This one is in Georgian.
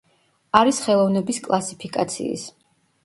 არის ხელოვნების კლასიფიკაციის.